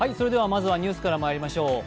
まずはニュースからまいりましょう。